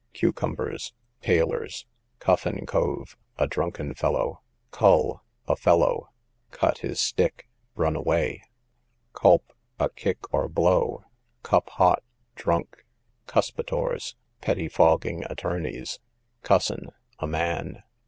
Cucumbers, tailors. Cuffin cove, a drunken fellow. Cull, a fellow. Cut his stick, run away. Culp, a kick, or blow. Cup hot, drunk. Cursitors, pettyfogging attornies. Cussin, a man.